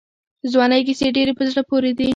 د ځوانۍ کیسې ډېرې په زړه پورې دي.